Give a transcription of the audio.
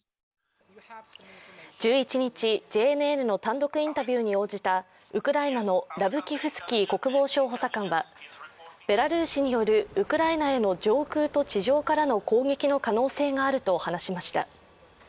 １１日、ＪＮＮの単独インタビューに応じたウクライナのラブキフスキー国防相補佐官はベラルーシによるウクライナへの上空と地上からの攻撃の可能性があると話しました。